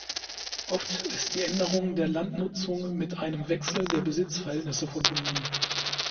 Oft ist die Änderung der Landnutzung mit einem Wechsel der Besitzverhältnisse verbunden.